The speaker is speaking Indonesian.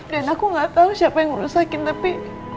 dan aku gatau siapa yang rusakin tapi